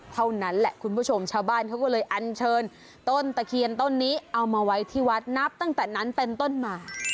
เท่านั้นแหละคุณผู้ชมชาวบ้านเขาก็เลยอันเชิญต้นตะเคียนต้นนี้เอามาไว้ที่วัดนับตั้งแต่นั้นเป็นต้นมา